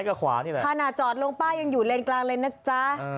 ถ้าจอดลงป้ายังอยู่เลนส์กลางเลนส์นะจ้ะ